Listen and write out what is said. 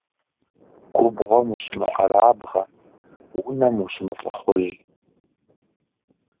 Губгъуэм ущымыкъэрабгъэ, унэм ущымылӀыхъужь.